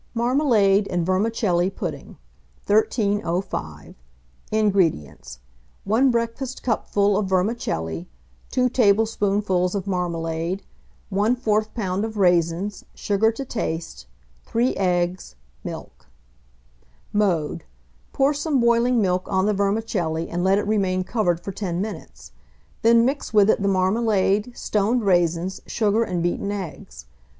MARMALADE AND VERMICELLI PUDDING. 1305. INGREDIENTS. 1 breakfastcupful of vermicelli, 2 tablespoonfuls of marmalade, 1/4 lb. of raisins, sugar to taste, 3 eggs, milk. Mode. Pour some boiling milk on the vermicelli, and let it remain covered for 10 minutes; then mix with it the marmalade, stoned raisins, sugar, and beaten eggs.